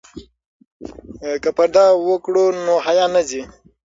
که پرده وکړو نو حیا نه ځي.